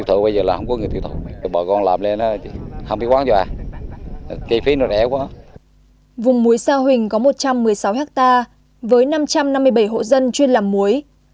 một trăm một mươi sáu hectare với năm trăm năm mươi bảy hộ dân chuyên làm muối